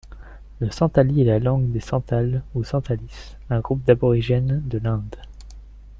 Le santali est la langue des Santals ou Santalis, un groupe d'aborigènes de l'Inde.